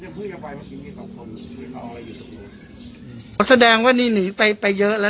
เนี้ยเพื่อนจะไปเมื่อกี้มีสองคนอ๋อแสดงว่านี่หนีไปไปเยอะแล้ว